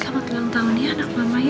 selamat ulang tahun nih anak mama ya